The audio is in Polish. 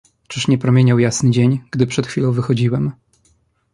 "Czyż nie promieniał jasny dzień, gdy przed chwilą wychodziłem?"